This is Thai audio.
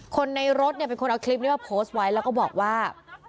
คนในรถเนี่ยเป็นคนเอาคลิปนี้มาโพสต์ไว้แล้วก็บอกว่า